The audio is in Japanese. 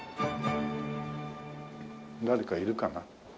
誰かいるかな？